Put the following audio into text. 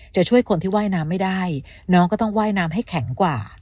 จะช่วยคนที่ว่ายน้ำไม่ได้น้องก็ต้องว่ายน้ำให้แข็งกว่า